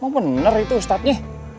mau bener itu ustadznya